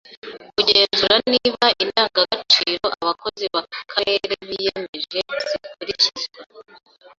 kugenzura niba indangagaciro abakozi b’Akarere biyemeje zikurikizwa;